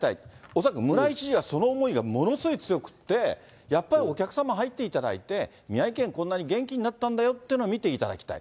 恐らく村井知事はその思いがものすごい強くて、やっぱりお客様入っていただいて、宮城県、こんなに元気になったんだよということを見ていただきたい。